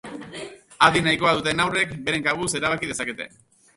Adin nahikoa duten haurrek beren kabuz erabaki dezakete.